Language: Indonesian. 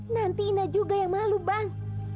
nanti ina juga yang malu bang